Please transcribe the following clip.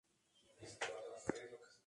Nació en Medellín, Colombia.